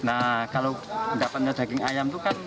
nah kalau mendapatnya daging ayam itu kan